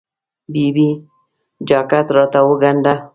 ببۍ! جاکټ راته وګنډه.